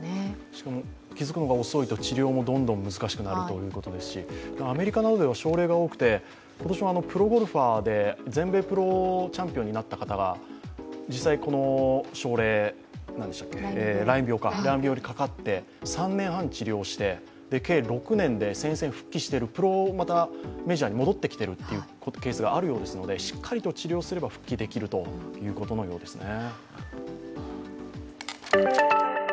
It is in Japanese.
しかも気づくのが遅いと治療もどんどん難しくなるということですしアメリカなどでは症例が多くて、今年もプロゴルファーで全米チャンピオンになった方が実際この症例、ライム病にかかって、３年半治療して、計６年で戦線に復帰している、プロ、メジャーに戻ってきているということでしっかりと治療すれば復帰できるようですね。